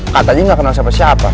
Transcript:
katanya gak kenal sama siapa